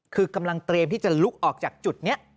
คือกำลังเตรียมที่จะลุกออกจากจุดนี้